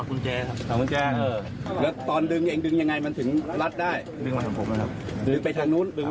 ดึงไปทางนู้นดึงไม่ได้ดึงไปทางหลังไม่ครับดึงไปด้านข้าง